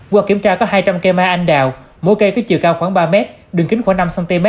qua kiểm tra có hai trăm linh cây mai anh đào mỗi cây có chiều cao khoảng ba mét đường kính khoảng năm cm